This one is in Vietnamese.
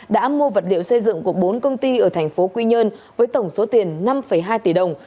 đã mua vật liệu xây dựng của bốn công ty ở tp hcm với tổng số tiền năm hai tỷ đồng